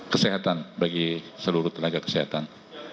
kesehatan bagi seluruh tenaga kesehatan